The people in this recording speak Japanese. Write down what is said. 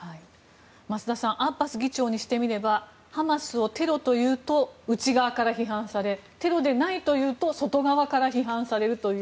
増田さんアッバス議長にしてみればハマスをテロと言うと内側から批判されテロじゃないというと外側から批判されるという。